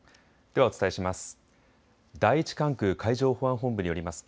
ではお伝えします。